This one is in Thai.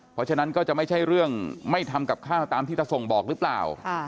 เพราะฉะนั้นก็จะไม่ใช่เรื่องไม่ทำกับข้าวตามที่ตะส่งบอกหรือเปล่า